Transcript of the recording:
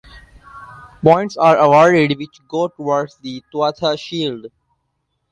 Points are awarded which go towards the Tuatha shield.